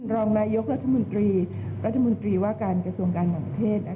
รองนายกรัฐมนตรีรัฐมนตรีว่าการกระทรวงการต่างประเทศ